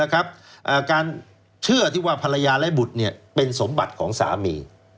การเชื่อที่ว่าภรรยาและบุตรเป็นสมบัติของสามี